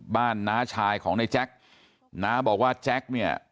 บ้านน้าชายของนายแจ็คน้าบอกว่าแจ็คเนี่ย